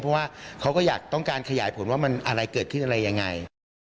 เพราะว่าเขาก็อยากต้องการขยายผลว่ามันอะไรเกิดขึ้นอะไรยังไง